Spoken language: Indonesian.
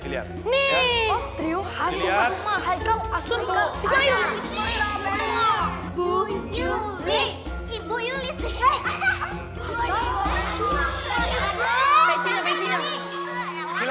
hai nih triumfasi khairan asyik asyik